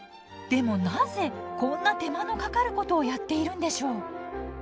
でもなぜこんな手間のかかることをやっているんでしょう。